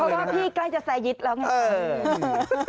เพราะว่าพี่ใกล้จะแซยิตแล้วไง